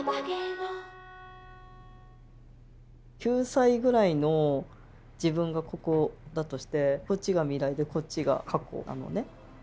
９歳ぐらいの自分がここだとしてこっちが未来でこっちが過去なのね。